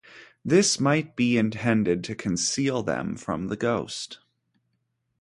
This might be intended to conceal them from the ghost.